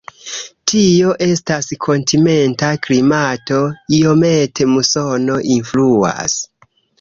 Tio estas kontinenta klimato, iomete musono influas.